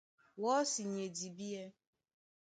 Wɔ́si ni e dibíɛ́.